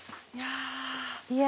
いや。